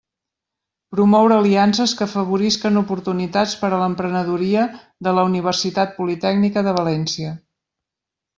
Promoure aliances que afavorisquen oportunitats per a l'emprenedoria de la Universitat Politècnica de València.